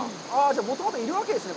もともといるわけですね。